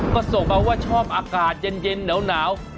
ก็ส่งมาว่าชอบอากาศเย็นหนาว